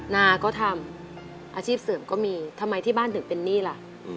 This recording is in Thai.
นาก็ทำอาชีพเสริมก็มีทำไมที่บ้านถึงเป็นหนี้ล่ะ